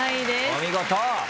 お見事。